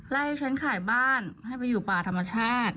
ให้ฉันขายบ้านให้ไปอยู่ป่าธรรมชาติ